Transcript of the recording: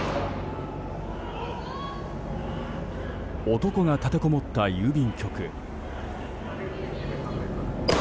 男が立てこもった郵便局。